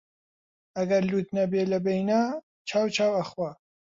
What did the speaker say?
ئەگەر لووت نەبێ لەبەینا، چاو چاو ئەخوا